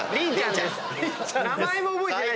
名前も覚えてない。